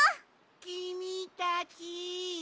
きみたち。